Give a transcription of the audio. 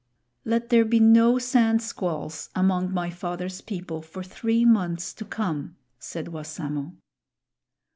"Let there be no sand squalls among my father's people for three months to come," said Wassamo.